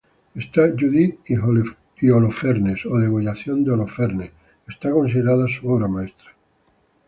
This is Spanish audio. Esta "Judith y Holofernes" o "Degollación de Holofernes" está considerada su obra maestra.